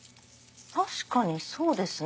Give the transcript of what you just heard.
確かにそうですね。